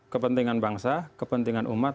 kepentingan bangsa kepentingan umat